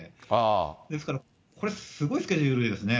ですからこれ、すごいスケジュールですね。